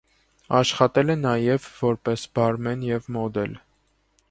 Աշխատել է նաև որպես բարմեն և մոդել։